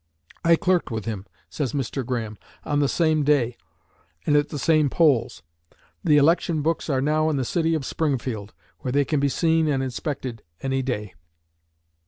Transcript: I clerked with him," says Mr. Graham, "on the same day and at the same polls. The election books are now in the city of Springfield, where they can be seen and inspected any day."